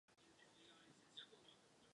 Po první světové válce došlo k dalším změnám.